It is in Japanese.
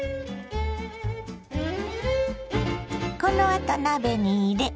このあと鍋に入れ